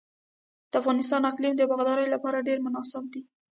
د افغانستان اقلیم د باغدارۍ لپاره ډیر مناسب دی.